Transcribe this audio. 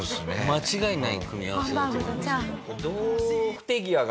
間違いない組み合わせだと思います。